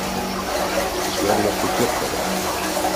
Ich werde noch bekloppt dabei.